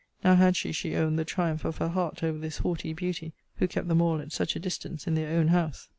Now had she, she owned, the triumph of her heart over this haughty beauty, who kept them all at such a distance in their own house!